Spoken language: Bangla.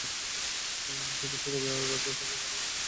পরিবারের অন্য সদস্যরা গ্রামের বাড়িতে থাকায় এখানে তাঁর একা থাকতে হয়।